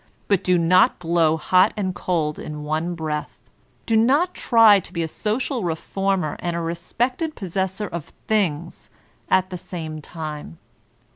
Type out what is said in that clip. But do not blow hot and cold in one breath. Do not try to be a social reformer and a respected possessor of Things at the same time.